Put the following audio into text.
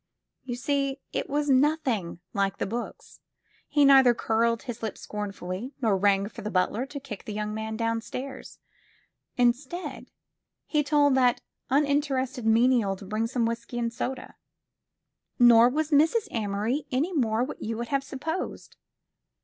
You see, it was nothing like the books. He neither curled his lip scornfully nor rang for the butler to kick the young man downstairs. Instead, he told that unin terested menial to bring some whisky and soda. Nor was Mrs. Amory any more what you would have supposed.